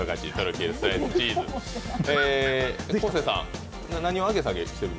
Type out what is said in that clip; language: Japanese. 昴生さん。